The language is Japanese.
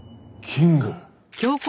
キング！？